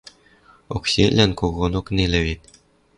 Оксиэтлӓн когонок нелӹ вет.